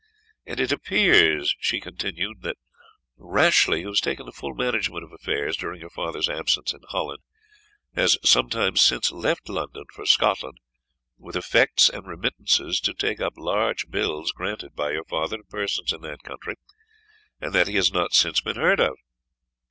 "And it appears," she continued, "that Rashleigh, who has taken the full management of affairs during your father's absence in Holland, has some time since left London for Scotland, with effects and remittances to take up large bills granted by your father to persons in that country, and that he has not since been heard of."